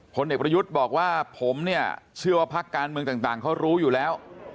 ผลเอกประยุทธ์บอกว่าผมเนี่ยเชื่อว่าพักการเมืองต่างเขารู้อยู่แล้ว